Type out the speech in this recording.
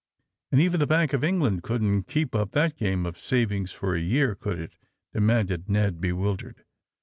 '' "And even the bank of England couldn't keep up that game of savings for a year, could if?" demanded Ned bewildered.